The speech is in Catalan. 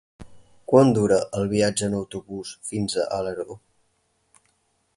Quant dura el viatge en autobús fins a Alaró?